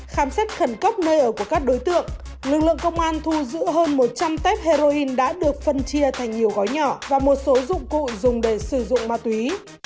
khám xét khẩn cấp nơi ở của các đối tượng lực lượng công an thu giữ hơn một trăm linh tép heroin đã được phân chia thành nhiều gói nhỏ và một số dụng cụ dùng để sử dụng ma túy